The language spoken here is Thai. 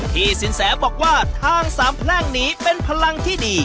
สินแสบอกว่าทางสามแพร่งนี้เป็นพลังที่ดี